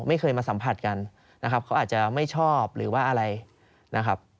ไม่เคยมาสัมผัสกันนะครับเขาอาจจะไม่ชอบหรือว่าอะไรนะครับ